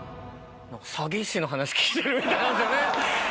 詐欺師の話聞いてるみたいなんですよね。